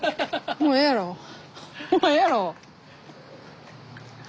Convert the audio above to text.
もうええやろ？